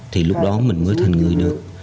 thì lúc đó mình mới thành người được